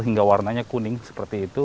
hingga warnanya kuning seperti itu